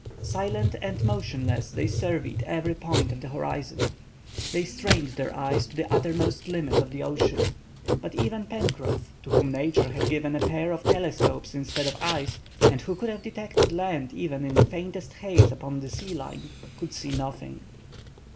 Silent and motionless, they surveyed every point of the horizon. They strained their eyes to the uttermost limit of the ocean. But even Pencroff, to whom Nature had given a pair of telescopes instead of eyes, and who could have detected land even in the faintest haze upon the sea line, could see nothing.